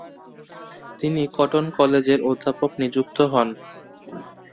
তিনি কটন কলেজের অধ্যাপক নিযুক্ত হন।